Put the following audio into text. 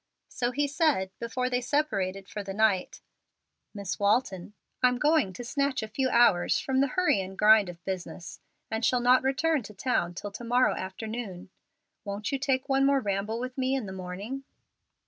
So he said before they separated for the night, "Miss Walton, I'm going to snatch a few hours from the hurry and grind of business, and shall not return to town till to morrow afternoon. Won't you take one more ramble with me in the morning?"